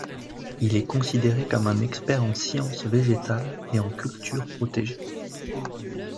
Il est considéré comme un expert en sciences végétales et en cultures protégées.